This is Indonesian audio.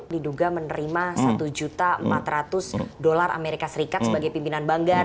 diduga menerima satu empat ratus dolar amerika serikat sebagai pimpinan banggar